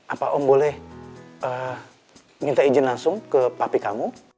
apa om boleh minta izin langsung ke pabrik kamu